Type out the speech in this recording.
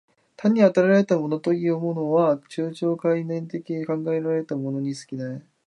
単に与えられたものというものは、抽象概念的に考えられたものに過ぎない。